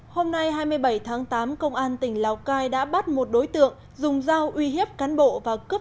hôm nay hai mươi bảy tháng tám công an tỉnh lào cai đã bắt một đối tượng dùng dao uy hiếp cán bộ và cướp